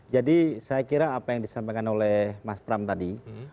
jadi saya kira apa yang disampaikan oleh mas pram tadi